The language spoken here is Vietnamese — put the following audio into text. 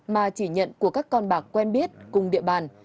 mà chỉ nhận của các con bạc quen biết cùng địa bàn